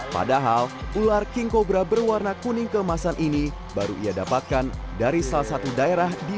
padahal ular king cobra berwarna kuning keemasan ini baru ia dapatkan dari salah satu daerah di